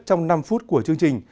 trong năm phút của chương trình